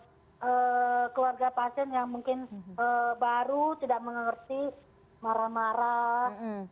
ada keluarga pasien yang mungkin baru tidak mengerti marah marah